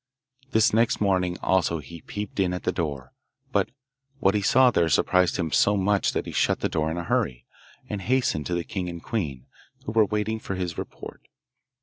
This next morning also he peeped in at the door, but what he saw there surprised him so much that he shut the door in a hurry, and hastened to the king and queen, who were waiting for his report.